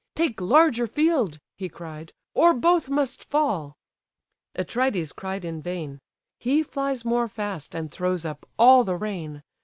take larger field (he cried), Or both must fall."—Atrides cried in vain; He flies more fast, and throws up all the rein.